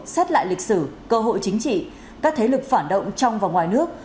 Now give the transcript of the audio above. xét lại lịch sử cơ hội chính trị các thế lực phản động trong và ngoài nước